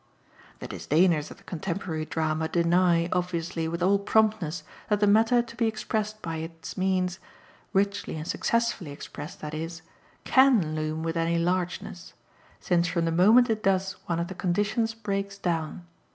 The disdainers of the contemporary drama deny, obviously, with all promptness, that the matter to be expressed by its means richly and successfully expressed that is CAN loom with any largeness; since from the moment it does one of the conditions breaks down.